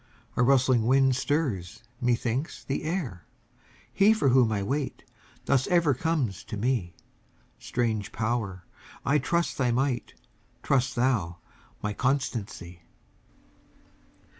a rustling wing stirs, methinks, the air: He for whom I wait, thus ever comes to me; Strange Power! I trust thy might; trust thou my constancy.